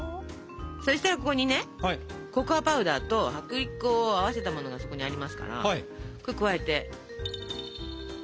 そしたらここにねココアパウダーと薄力粉を合わせたものがそこにありますからこれを加えて。